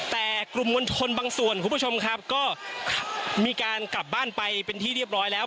แต่กลุ่มมวลชนบางส่วนคุณผู้ชมครับก็มีการกลับบ้านไปเป็นที่เรียบร้อยแล้ว